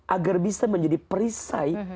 agar bisa menjadi perisai